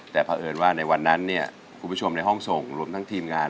แต่เพราะเอิญว่าในวันนั้นเนี่ยคุณผู้ชมในห้องส่งรวมทั้งทีมงาน